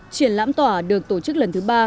triển lãm tỏa được tổ chức lần thứ ba